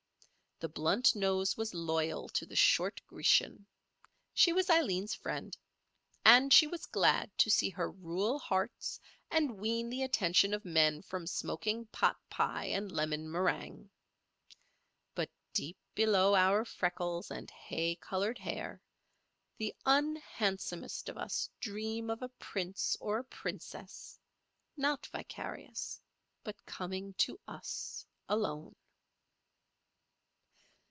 The blunt nose was loyal to the short Grecian. She was Aileen's friend; and she was glad to see her rule hearts and wean the attention of men from smoking pot pie and lemon meringue. But deep below our freckles and hay coloured hair the unhandsomest of us dream of a prince or a princess, not vicarious, but coming to us alone.